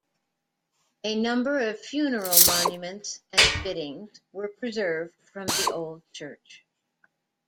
A number of funeral monuments and fittings were preserved from the old church.